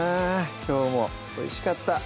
きょうもおいしかった！